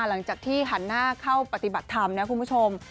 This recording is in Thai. หลังจากที่หันหน้าเข้าปฏิบัติธรรม